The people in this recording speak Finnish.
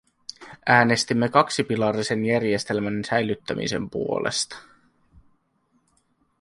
Äänestimme kaksipilarisen järjestelmän säilyttämisen puolesta.